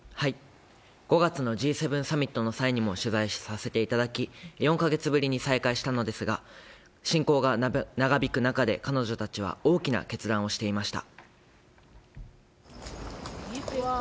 ５月のＧ７サミットの際にも取材させていただき、４か月ぶりに再会したのですが、侵攻が長引く中で、彼女たちは大きな決断をしていました。